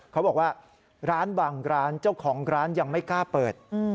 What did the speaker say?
เขาบอกว่าร้านบางร้านเจ้าของร้านยังไม่กล้าเปิด